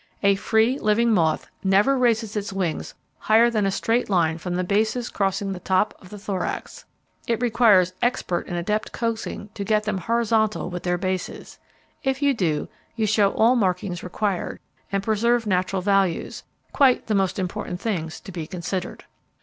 A FREE LIVING MOTH NEVER RAISES ITS WINGS HIGHER THAN A STRAIGHT LINE FROM THE BASES CROSSING THE TOP OF THE THORAX. It requires expert and adept coaxing to get them horizontal with their bases. If you do, you show all markings required; and preserve natural values, quite the most important things to be considered.